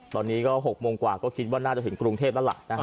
ตอนนี้ก็๖โมงกว่าก็คิดว่าน่าจะถึงกรุงเทพแล้วล่ะนะครับ